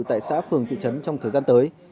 tại xã phường thị trấn trong thời gian tới